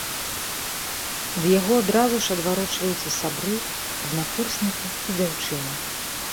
Ад яго адразу ж адварочваюцца сябры, аднакурснікі і дзяўчына.